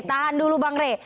tahan dulu bang rey